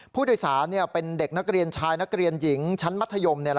ผู้โดยสารเป็นเด็กนักเรียนชายนักเรียนหญิงชั้นมัธยม